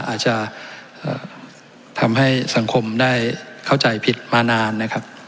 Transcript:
อาจจะทำให้สังคมได้เข้าใจผิดมานานนะครับ